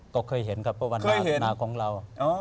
ก็เคยเห็นครับเพราะวันนาของเรา